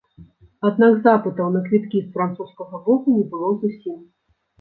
Аднак запытаў на квіткі з французскага боку не было зусім.